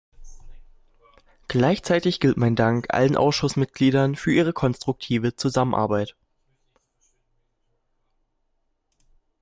Gleichzeitig gilt mein Dank allen Ausschussmitgliedern für ihre konstruktive Zusammenarbeit.